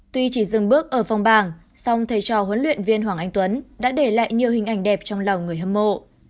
tuy chỉ dừng bước ở phòng bàng song thầy trò huấn luyện viên hoàng anh tuấn đã để lại nhiều hình ảnh đẹp trong lòng người hâm mộ